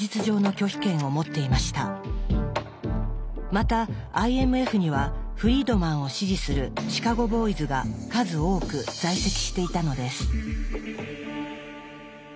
またＩＭＦにはフリードマンを支持するシカゴ・ボーイズが数多く在籍していたのです。